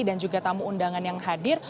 dan juga tamu undangan yang hadir